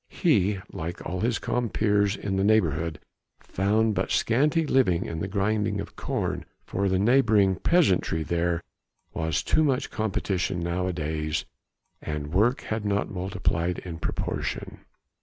He like all his compeers in the neighborhood found but scanty living in the grinding of corn for the neighbouring peasantry, there was too much competition nowadays and work had not multiplied in proportion.